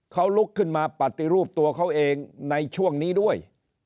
เขาลุกขึ้นมาปฏิรูปตัวเขาเองในช่วงนี้ด้วย